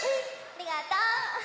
ありがとう。